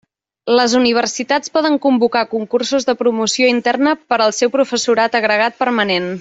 Les universitats poden convocar concursos de promoció interna per al seu professorat agregat permanent.